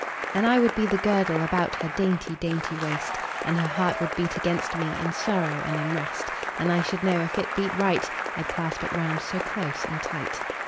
And I would be the girdle About her dainty dainty waist, And her heart would beat against me, In sorrow and in rest: 10 And I should know if it beat right, I'd clasp it round so close and tight.